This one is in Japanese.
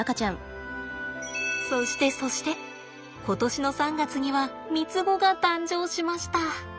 そしてそして今年の３月には３つ子が誕生しました。